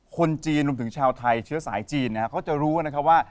คนจีนรวมถึงชาวไทยเชื้อสายจีนนะครับเขาจะรู้นะครับว่า